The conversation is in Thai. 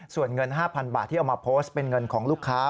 ส่วนเงิน๕๐๐บาทที่เอามาโพสต์เป็นเงินของลูกค้า